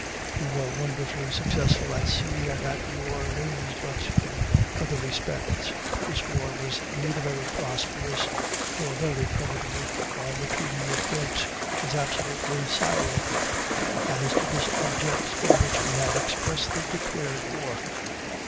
We were wonderfully successful at sea and at New Orleans, but in other respects this war was neither very prosperous nor very creditable, and the treaty of Ghent was absolutely silent as to the objects for which we had expressly declared war.